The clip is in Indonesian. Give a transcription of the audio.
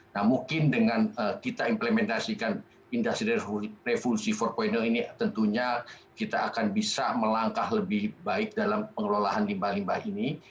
nah mungkin dengan kita implementasikan industri revolusi empat ini tentunya kita akan bisa melangkah lebih baik dalam pengelolaan limbah limbah ini